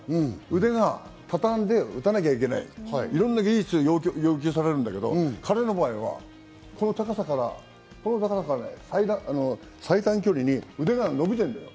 腕を畳んで打たなきゃいけない、いろんな技術を要求されるんだけど、彼の場合はこの高さから最短距離に腕が伸びてるの。